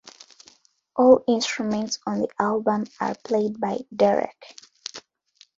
All instruments on the album are played by Derek.